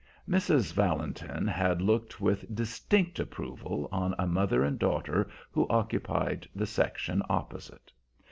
Mrs. Valentin had looked with distinct approval on a mother and daughter who occupied the section opposite.